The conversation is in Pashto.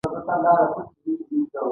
غرونه طبیعي بڼه لري.